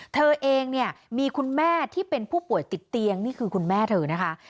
เธอเองเนี่ยมีคุณแม่ที่เป็นผู้ป่วยติดเตียงนี่คือคุณแม่เธอนะคะ